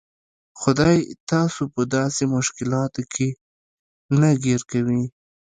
خدای تاسو په داسې مشکلاتو کې نه ګیر کوي.